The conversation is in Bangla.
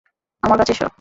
আমার কাছে এসো।